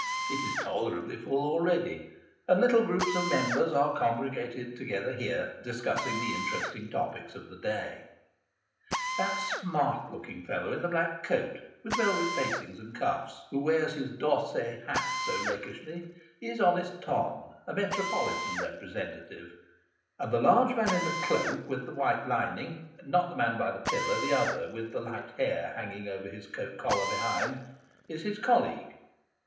It is tolerably full already, and little groups of Members are congregated together here, discussing the interesting topics of the day. That smart looking fellow in the black coat with velvet facings and cuffs, who wears his D' Or say hat so rakishly, is " Honest Tom," n metropolitan representative ; and the large man in the cloak with the white lining not the man by the pillar ; the other with the light hair hanging over his coat collar behind is his colleague.